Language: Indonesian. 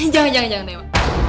jangan jangan jangan dewa